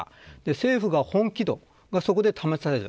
政府が本気度がそこで試される。